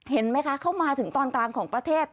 เห็นไหมคะเข้ามาถึงตอนกลางของประเทศ